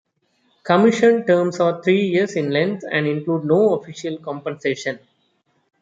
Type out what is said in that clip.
Commission terms are three years in length and include no official compensation.